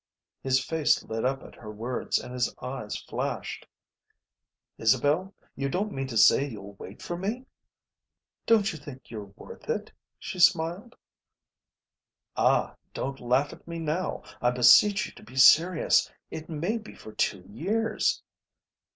His face lit up at her words and his eyes flashed. "Isabel, you don't mean to say you'll wait for me?" "Don't you think you're worth it?" she smiled. "Ah, don't laugh at me now. I beseech you to be serious. It may be for two years."